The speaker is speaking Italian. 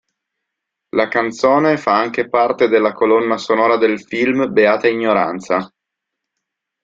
La canzone fa anche parte della colonna sonora del film "Beata ignoranza".